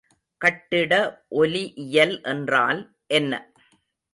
கட்டிட ஒலிஇயல் என்றால் என்ன?